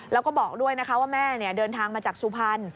แล้วก็บอกด้วยนะคะว่าแม่เดินทางมาจากสุพรรณ